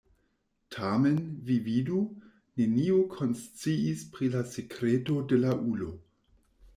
Tamen, vi vidu, neniu konsciis pri la sekreto de la ulo.